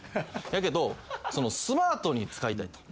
やけどスマートに使いたいと。